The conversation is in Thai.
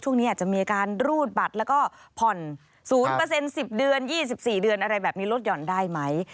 ช่วงนี้อาจจะมีอาการรูดบัตรแล้วก็ผ่อน๐๑๐เดือน๒๔เดือนอะไรแบบนี้ลดหย่อนได้ไหม